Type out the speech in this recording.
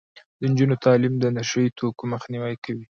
د نجونو تعلیم د نشه يي توکو مخنیوی کوي.